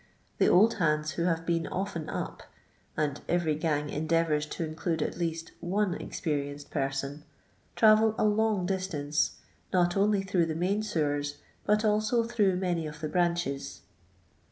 The old hands who have been often up (and every gang endeavours to include at least one experienced person), travel a lung distance, not only through the main sewers, but also through many of the branches.